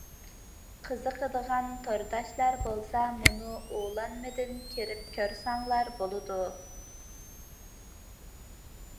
قىزىقىدىغان تورداشلار بولسا مۇنۇ ئۇلانمىدىن كىرىپ كۆرسەڭلار بولىدۇ.